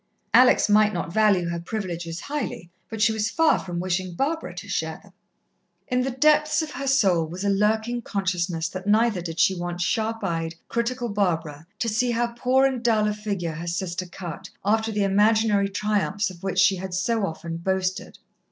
Alex might not value her privileges highly, but she was far from wishing Barbara to share them. In the depths of her soul was a lurking consciousness that neither did she want sharp eyed, critical Barbara to see how poor and dull a figure her sister cut, after the imaginary triumphs of which she had so often boasted.